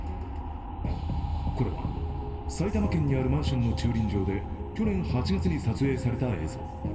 これは埼玉県にあるマンションの駐輪場で去年８月に撮影された映像。